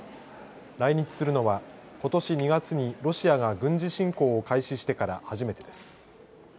来日するのはことし２月にロシアが軍事侵攻を開始してから初めてです。